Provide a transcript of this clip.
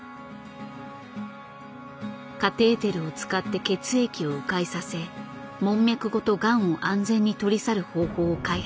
カテーテルを使って血液を迂回させ門脈ごとがんを安全に取り去る方法を開発。